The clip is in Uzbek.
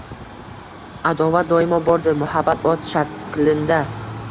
Adovat doimo bordir, muhabbat ot shaklinda